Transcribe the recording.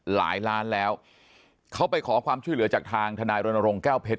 หลายล้านแล้วเขาไปขอความช่วยเหลือจากทางทนายรณรงค์แก้วเพชร